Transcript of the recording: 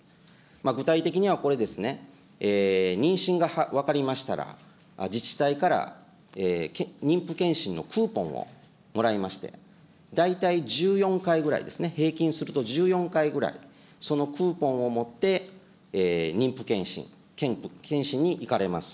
具体的にはこれですね、妊娠が分かりましたら、自治体から妊婦健診のクーポンをもらいまして、大体１４回ぐらいですね、平均すると１４回ぐらい、そのクーポンを持って、妊婦健診、健診に行かれます。